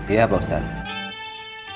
iya pak ustadz